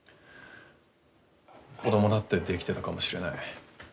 子どもだってできてたかもしれない。